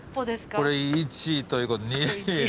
これ１ということで２３４。